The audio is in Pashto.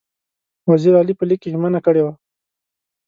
وزیر علي په لیک کې ژمنه کړې وه.